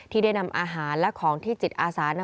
ที่ได้นำอาหารและของที่จิตอาสา